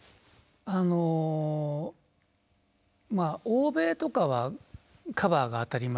あのまあ欧米とかはカバーが当たり前。